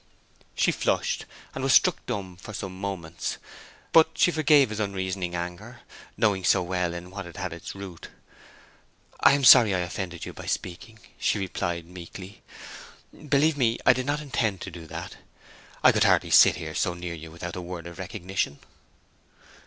She flushed, and was struck dumb for some moments; but she forgave his unreasoning anger, knowing so well in what it had its root. "I am sorry I offended you by speaking," she replied, meekly. "Believe me, I did not intend to do that. I could hardly sit here so near you without a word of recognition."